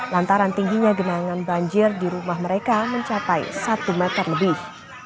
lantaran tingginya genangan banjir di rumah mereka mencapai satu meter lebih